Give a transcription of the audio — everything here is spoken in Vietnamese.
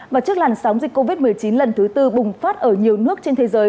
và trước làn sóng dịch covid một mươi chín lần thứ tư bùng phát ở nhiều nước trên thế giới